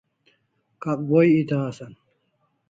Kakboi eta asan